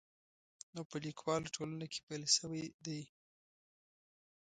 نو په لیکوالو ټولنه کې پیل شوی دی.